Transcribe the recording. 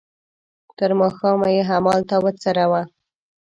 تر ماښامه یې همالته وڅروه.